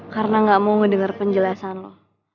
karena nggak mau denger penjelasan lo